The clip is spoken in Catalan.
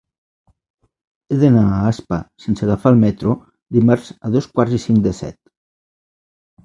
He d'anar a Aspa sense agafar el metro dimarts a dos quarts i cinc de set.